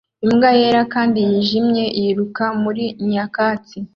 Imbwa yera kandi yijimye yiruka muri nyakatsi